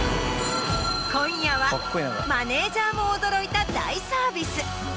マネジャーも驚いた大サービス。